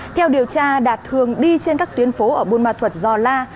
theo điều tra đạt thường đi trên các tuyến phố ở buôn ma thuật giò la